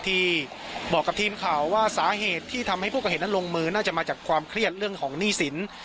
ที่บอกกับทีมข่าวว่าสาเหตุที่ทำให้ผู้ก่อเหตุนั้นลงมือน่าจะมาจากความเครียดเรื่องของหนี้สิน